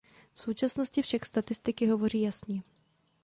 V současnosti však statistiky hovoří jasně.